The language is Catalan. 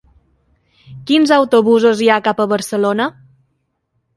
Quins autobusos hi ha cap a Barcelona?